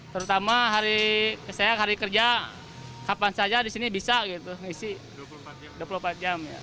terutama hari saya hari kerja kapan saja disini bisa isi dua puluh empat jam